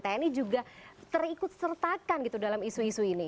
tni juga terikut sertakan gitu dalam isu isu ini